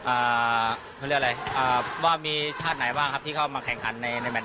อ่าเขาเรียกอะไรอ่าว่ามีชาติไหนบ้างครับที่เข้ามาแข่งขันในในแมท